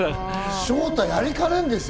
翔太やりかねんですよ。